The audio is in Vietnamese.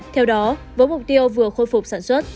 theo đó với mục tiêu vừa khôi phục sản xuất